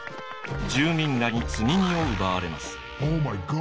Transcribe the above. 住民らに積み荷を奪われます。